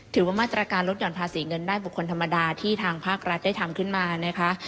ถือว่ามาตรการลดหย่อนภาษีเงินได้บุคคลธรรมดาที่ทางภาครัฐได้ทำขึ้นมานะคะ